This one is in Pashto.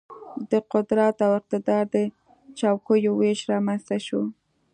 د قدرت او اقتدار د چوکیو وېش رامېنځته شو.